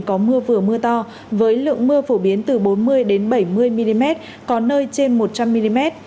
có mưa vừa mưa to với lượng mưa phổ biến từ bốn mươi bảy mươi mm có nơi trên một trăm linh mm